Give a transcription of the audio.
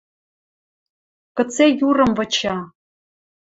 Кыце юрым выча